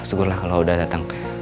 syukurlah kalau udah datang